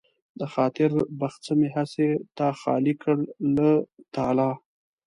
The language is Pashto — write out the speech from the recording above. د خاطر بخڅه مې هسې تا خالي کړ له تالا